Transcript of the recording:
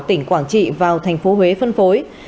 tỉnh quảng trị vào thành phố huế phân phối